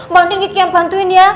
mbak andin kiki yang bantuin ya